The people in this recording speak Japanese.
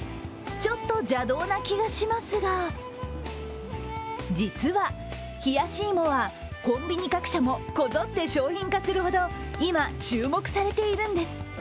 ちょっと邪道な気がしますが実は冷やし芋はコンビニ各社もこぞって商品化するほど、今、注目されているんです。